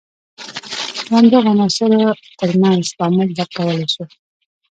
د همدغو عناصر تر منځ تعامل درک کولای شو.